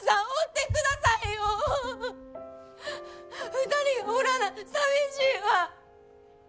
２人がおらな寂しいわ！